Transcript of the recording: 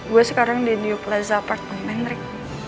gue sekarang di new pleza apartement rik